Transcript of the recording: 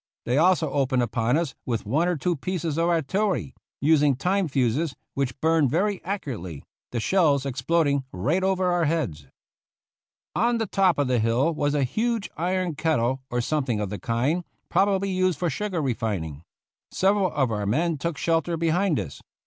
They also opened upon us with one or two pieces of artillery, using time fuses which burned very accurately, the shells exploding right over our heads. On the top of the hill was a huge iron kettle, or something of the kind, probably used for sugar refining. Several of our men took shelter behind this.